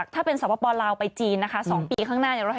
ถ้าเป็นสปลาวไปจีนนะคะ๒ปีข้างหน้า